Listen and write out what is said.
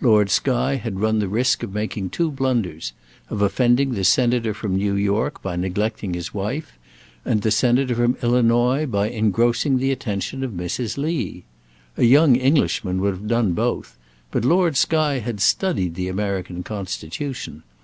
Lord Skye had run the risk of making two blunders; of offending the Senator from New York by neglecting his wife, and the Senator from Illinois by engrossing the attention of Mrs. Lee. A young Englishman would have done both, but Lord Skye had studied the American constitution.